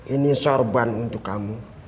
ini sorban untuk kamu